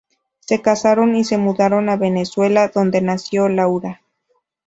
Se casaron y se mudaron a Venezuela, donde nació Laura.